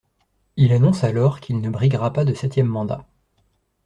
Il annonce alors qu'il ne briguera pas de septième mandat.